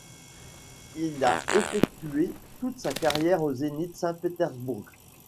Il a effectué toute sa carrière au Zénith Saint-Pétersbourg.